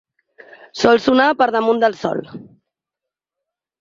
Sol sonar per damunt del sol.